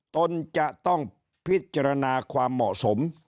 ตนจะต้องพิจารณาความเหมาะสม